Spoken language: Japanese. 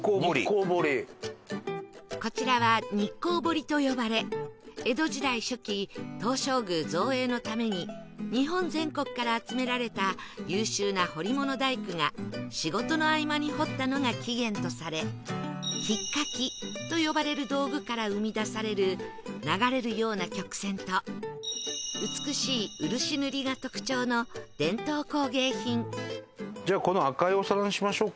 こちらは日光彫と呼ばれ江戸時代初期東照宮造営のために日本全国から集められた優秀な彫り物大工が仕事の合間に彫ったのが起源とされひっかきと呼ばれる道具から生み出される流れるような曲線と美しい漆塗りが特徴の伝統工芸品じゃあこの赤いお皿にしましょうか。